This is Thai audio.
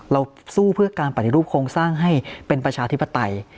เราสู้เพื่อการปฏิรูปโครงสร้างให้เป็นประชาธิปไตย